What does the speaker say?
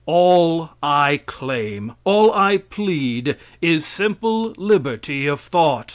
All I claim, all I plead is simple liberty of thought.